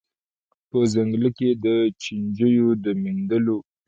په ځنګله کي د چینجیو د میندلو